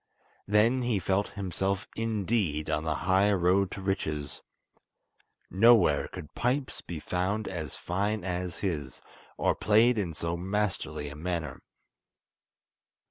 Then he felt himself indeed on the high road to riches. Nowhere could pipes be found as fine as his, or played in so masterly a manner.